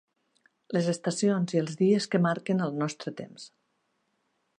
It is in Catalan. Les estacions i els dies que marquen el nostre temps.